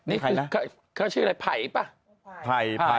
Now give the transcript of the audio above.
นี่คือเขาชื่ออะไรไผ่ป่ะ